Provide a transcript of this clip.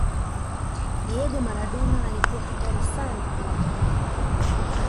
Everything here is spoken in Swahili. diego maradona alikuwa hatari sana uwanjani